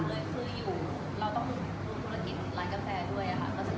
ไม่ไกลจากลายกาแฟมาก